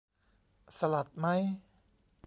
สลัดมั้ย